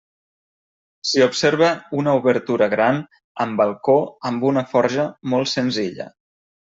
S'hi observa una obertura gran amb balcó amb una forja molt senzilla.